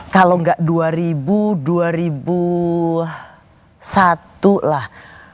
kalau nggak dua ribu dua ribu satu lah